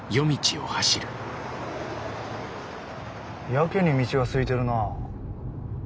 やけに道がすいてるなあ。